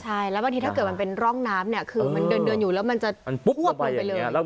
ใช่แล้วบางทีถ้าเกิดมันเป็นร่องน้ำเนี่ยคือมันเดินอยู่แล้วมันจะพวบลงไปเลย